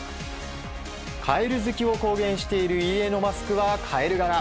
カエル好きを公言している入江のマスクはカエル柄。